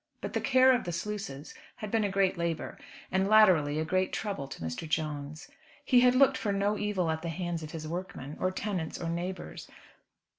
But the care of the sluices had been a great labour, and, latterly, a great trouble to Mr. Jones. He had looked for no evil at the hands of his workmen, or tenants, or neighbours.